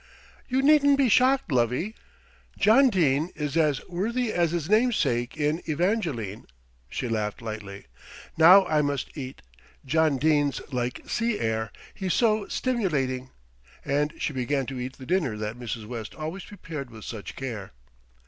"You needn't be shocked, lovie; John Dene is as worthy as his namesake in Evangeline." She laughed lightly. "Now I must eat. John Dene's like sea air, he's so stimulating;" and she began to eat the dinner that Mrs. West always prepared with such care.